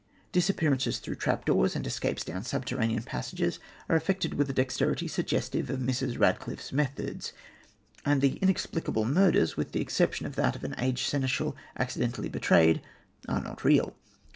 Disappearances through trap doors, and escapes down subterranean passages are effected with a dexterity suggestive of Mrs. Radcliffe's methods; and the inexplicable murders, with the exception of that of an aged seneschal accidentally betrayed, are not real.